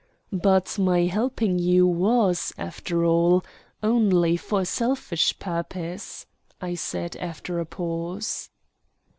"But my helping you was, after all, only for a selfish purpose," I said after a pause.